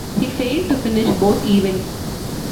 He failed to finish both events.